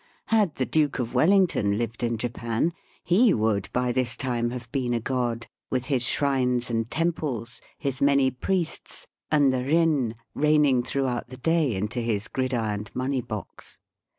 Had the Duke of Wellington lived in Japan, he would by this time have been a god, with his shrines and temples, his many priests, and the rin raining throughout the day into his grid ironed money box.